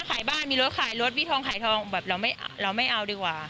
เธอก็ทำในสิ่งที่มันผิดกฎหมายดีกว่า